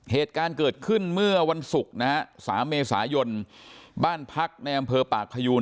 เหตุการณ์เกิดขึ้นเมื่อวันศุกร์นะฮะสามเมษายนบ้านพักในอำเภอปากพยูน